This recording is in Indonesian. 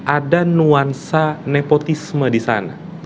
ada nuansa nepotisme disana